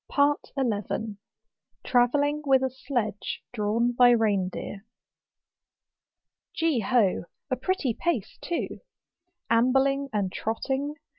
11 . Travelling with a Sledge drawn hy Rein deer. Gee ho! a pretty pace too. Ambling and trotting.